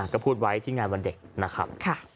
ก็พูดไว้ที่งานวันเด็กนะครับ